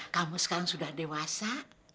kamu sekarang sudah dewasa